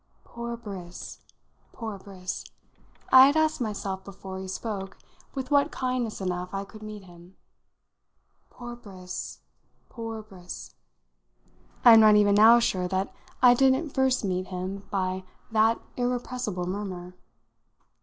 Poor Briss! poor Briss! I had asked myself before he spoke with what kindness enough I could meet him. Poor Briss! poor Briss! I am not even now sure that I didn't first meet him by that irrepressible murmur.